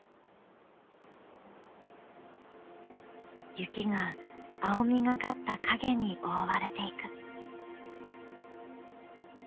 雪が青みがかった影に覆われていく。